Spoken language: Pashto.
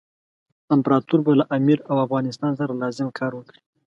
امپراطور به له امیر او افغانستان سره لازم کار وکړي.